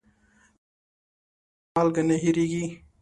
په ډوډۍ پخولو کې مالګه نه هېریږي.